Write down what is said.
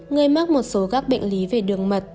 người mắc một số các bệnh lý về đường mật